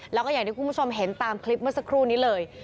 แล้วก็อย่างที่คุณผู้ชมเห็นตามคลิปเมื่อสักครู่นี้เลย